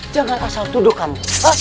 jangan asal tuduh kamu